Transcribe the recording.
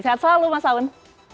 sehat selalu mas aun